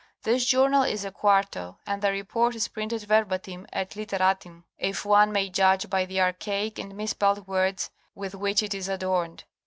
This journal is a quarto and the report is printed verbatim et literatim if one may judge by the archaic and mispelled words with which it is adorned.